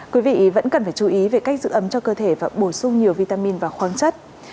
quý vị vẫn cần phải chú ý về cách giữ ấm cho cơ thể và bổ sung nhiều vitamin và khoáng chất